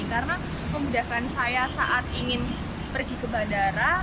karena pemudakan saya saat ingin pergi ke bandara